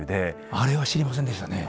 あれは知りませんでしたね。